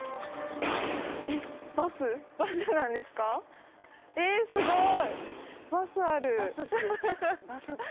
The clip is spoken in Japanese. ええすごい！